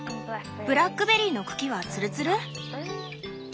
ブラックベリーの茎はツルツル？